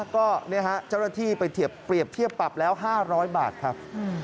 ก็เจ้าหน้าที่ไปเปรียบเทียบปรับแล้ว๕๐๐บาทครับ